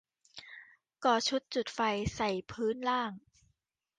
ก่อชุดจุดไฟใส่พื้นล่าง